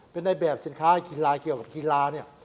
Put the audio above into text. เป็นในแบบสินค้ากีฬาเกี่ยวกับกีฬาเนี่ย